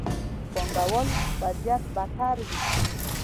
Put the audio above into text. پانګه والو وضعيت بدتر وي.